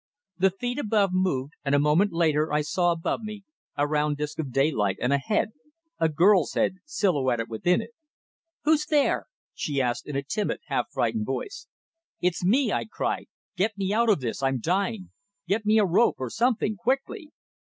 The feet above moved, and a moment later I saw above me a round disc of daylight and a head a girl's head silhouetted within it. "Who's there?" she asked in a timid, half frightened voice. "It's me!" I cried. "Get me out of this! I'm dying. Get me a rope or something, quickly!"